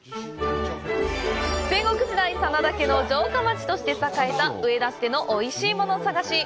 戦国時代、真田家の城下町として栄えた上田市でのおいしいもの探し。